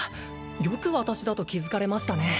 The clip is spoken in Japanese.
よく私だと気づかれましたね